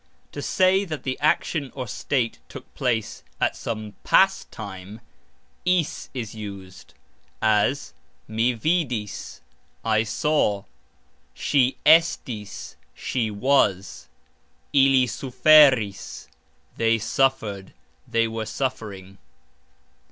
To say that the action or state took place at some "past" time, " is" is used, as "Mi vidis", I saw; "Sxi estis", She was; "Ili suferis", They suffered, they were suffering.